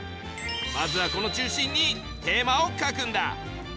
まずはこの中心にテーマを書くんだ！